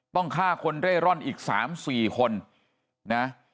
ต้องฆ่าคนเร่ร่อนอีก๓๔คนนะ